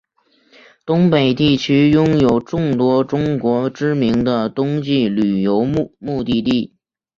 东北地区拥有众多中国知名的冬季旅游目的地。